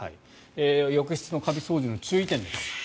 浴室のカビ掃除の注意点です。